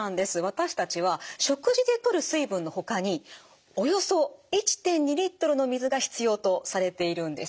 私たちは食事でとる水分のほかにおよそ１．２リットルの水が必要とされているんです。